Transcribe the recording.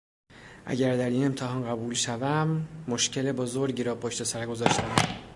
اگر در این امتحان قبول شوم مشکل بزرگی را پشت سر گذاشتهام.